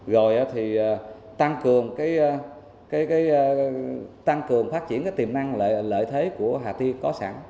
rồi thì tăng cường phát triển cái tiềm năng lợi thế của hà tiên có sẵn